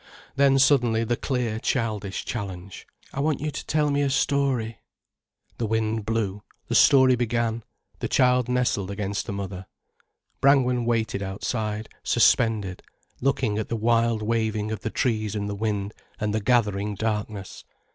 Then suddenly the clear childish challenge: "I want you to tell me a story." The wind blew, the story began, the child nestled against the mother, Brangwen waited outside, suspended, looking at the wild waving of the trees in the wind and the gathering darkness.